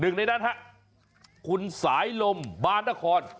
๑ในนั้นค่ะคุณสายลมบ้านนคร